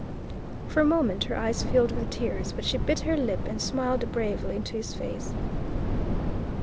For a moment her eyes filled with tears, but she bit her lip and smiled bravely into his face.